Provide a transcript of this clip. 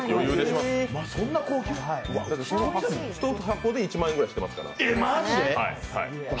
１箱で１万円ぐらいしてますから。